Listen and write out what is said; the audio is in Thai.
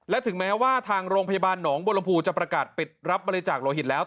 และถึงแม้ว่าทางโรงพยาบาลหนองบลมภูจะประกาศปิดรับบริจาคโลหิตแล้ว